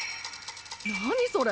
何それ？